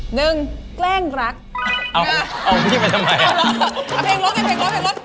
หนึ่งแกล้งรักเอาเอาเอาเอาเพลงรถเพลงรถเพลงรถเพลงรถ